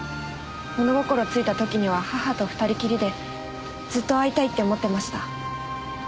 物心ついた時には母と２人きりでずっと会いたいって思ってました。